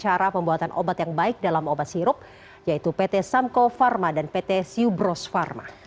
cara pembuatan obat yang baik dalam obat sirup yaitu pt samko pharma dan pt siubros pharma